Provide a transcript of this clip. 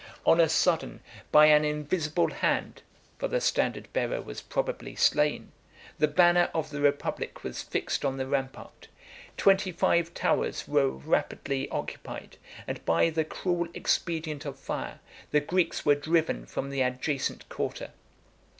On a sudden, by an invisible hand, (for the standard bearer was probably slain,) the banner of the republic was fixed on the rampart: twenty five towers were rapidly occupied; and, by the cruel expedient of fire, the Greeks were driven from the adjacent quarter.